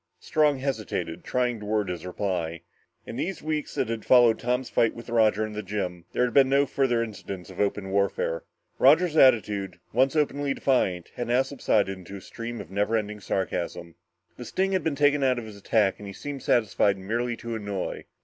Strong hesitated, trying to word his reply. In these weeks that had followed Tom's fight with Roger in the gym, there had been no further incidents of open warfare. Roger's attitude, once openly defiant, had now subsided into a stream of never ending sarcasm. The sting had been taken out of his attack and he seemed satisfied merely to annoy.